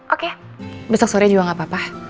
oke besok sore juga gak apa apa